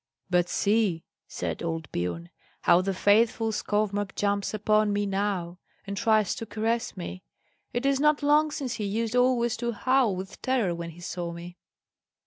"But see," said old Biorn, "how the faithful Skovmark jumps upon me now, and tries to caress me. It is not long since he used always to howl with terror when he saw me."